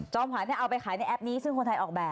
ขวัญเอาไปขายในแอปนี้ซึ่งคนไทยออกแบบ